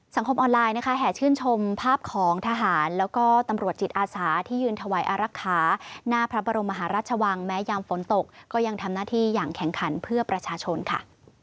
ออนไลน์นะคะแห่ชื่นชมภาพของทหารแล้วก็ตำรวจจิตอาสาที่ยืนถวายอารักษาหน้าพระบรมมหาราชวังแม้ยามฝนตกก็ยังทำหน้าที่อย่างแข็งขันเพื่อประชาชนค่ะ